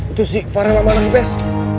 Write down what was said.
itu si varel sama anak ipa ips